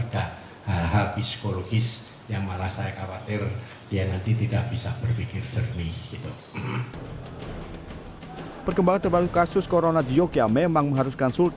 dan juga yang beritahu yang tidak beritahu